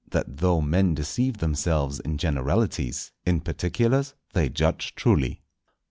—_That though Men deceive themselves in Generalities, in Particulars they judge truly.